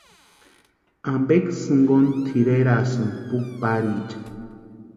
¿Ampeksï jinkoni tʼireranhasïni puki pariecha?